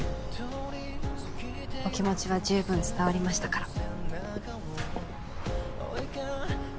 お気持ちは十分伝わりましたから。